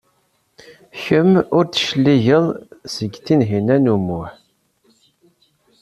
Kemm ur d-tecligeḍ seg Tinhinan u Muḥ.